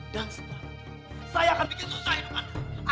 dan setelah itu saya akan bikin susah hidup anda